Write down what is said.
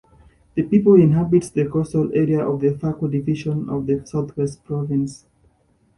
The people inhabits the coastal areas of the Fako division of the Southwest Province.